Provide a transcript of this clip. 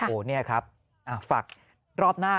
โอ้โหนี่ครับฝากรอบหน้า